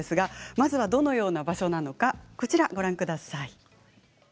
どのような場所なのかご覧ください。